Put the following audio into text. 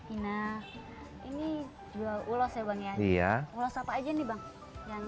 ini juga ulas ya iya ulas apa aja nih bang